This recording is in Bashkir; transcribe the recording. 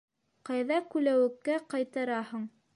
Ҡайҙа күләүеккә ҡайтараһың.